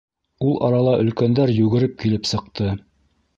Ул арала өлкәндәр йүгереп килеп сыҡты.